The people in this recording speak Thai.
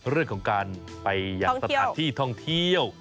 เรื่องของการไปยังสถานที่ท่องเที่ยว